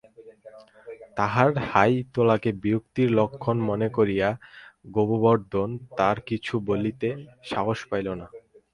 তাহার হাই তোলাকে বিরক্তির লক্ষণ মনে করিয়া গোবর্ধন আর কিছু বলিতে সাহস পাইল না।